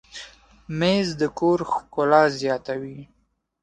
مېز د کور ښکلا زیاتوي.